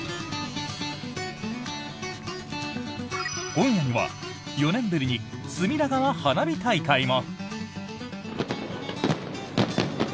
今夜には、４年ぶりに隅田川花火大会も。